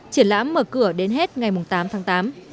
triển lãm mở cửa đến hết ngày tám tháng tám